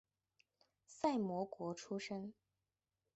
萨摩国出身。